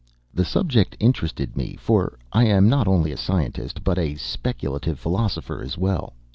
The subject interested me, for I am not only a scientist, but a speculative philosopher as well.